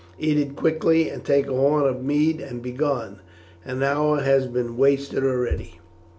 Eat it quickly, and take a horn of mead, and be gone. An hour has been wasted already."